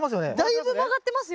だいぶ曲がってますよ。